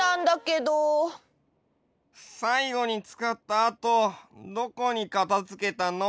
さいごにつかったあとどこにかたづけたの？